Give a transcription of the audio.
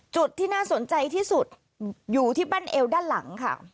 จุดที่น่าสนใจที่สุดอยู่ที่บ้านเอวด้านหลังค่ะ